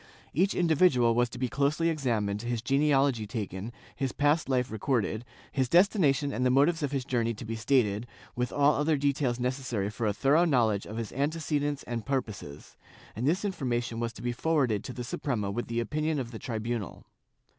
Each individual was to be closely examined, his genealogy taken, his past life recorded, his destination and the motives of his journey to be stated, with all other details necessary for a thorough knowledge of his ante cedents and purposes, and this information was to be forwarded to the Suprema with the opinion of the tribunal.